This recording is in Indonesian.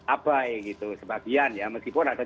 abai gitu sebagian ya meskipun ada